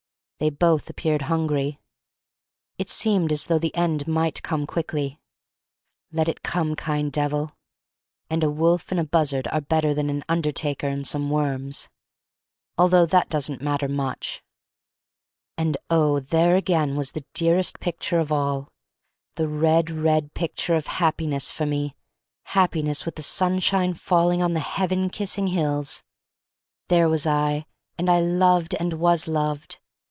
They both appeared hungry. It seemed as though the end might come quickly. Let it come, kind Devil. And a wolf and a buzzard are better than an undertaker and some worms. Although that doesn't much matter. And oh, there again was the dearest picture of all — the red, red picture of 236 THE STORY OF MARY MAC LANE Happiness for me, Happiness with the sunshine falling on the Heaven kissing hills! There was I, and I loved and was loved.